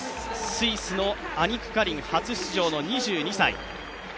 スイスのアニク・カリン、初出場の２２歳。